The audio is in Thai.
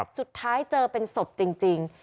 สุดท้ายเจอเป็นศพจริง